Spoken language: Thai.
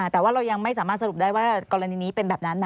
แต่ว่าเรายังไม่สามารถสรุปได้ว่ากรณีนี้เป็นแบบนั้นนะ